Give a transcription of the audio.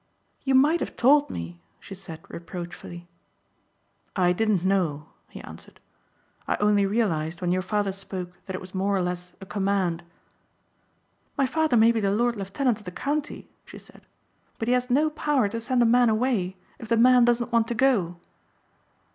"You might have told me," she said reproachfully. "I didn't know," he answered, "I only realized when your father spoke that it was more or less a command." "My father may be the lord lieutenant of the county," she said, "but he has no power to send a man away if the man doesn't want to go."